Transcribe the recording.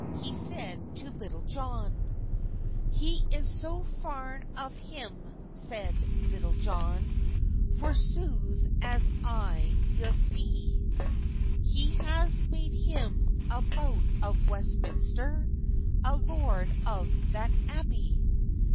He said to Litulle Johne. "He is so fayn of hym," seid Litulle Johne, "For sothe as I yow sey, He has made hym abot of Westmynster, A lorde of that abbay."